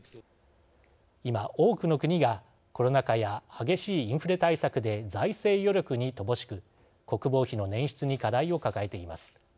今、多くの国がコロナ禍や激しいインフレ対策で財政余力に乏しく国防費の捻出に課題を抱えています。